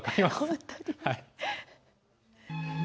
本当に？